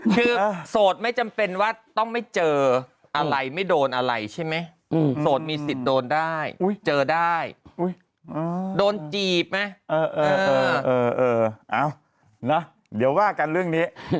คือโสดไม่จำเป็นว่าต้องไม่เจออะไรไม่โดนอะไรใช่ไหมโสดมีสิทธิ์โดนได้เจอได้โดนจีบไหมเดี๋ยวว่ากันเรื่องนี้